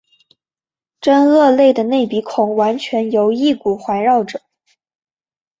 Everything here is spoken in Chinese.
真鳄类的内鼻孔完全由翼骨环绕者。